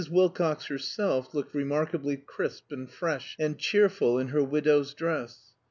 Wilcox herself looked remarkably crisp and fresh and cheerful in her widow's dress.